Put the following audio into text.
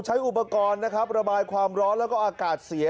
ใช้อุปกรณ์ระบายความร้อนและอากาศเสีย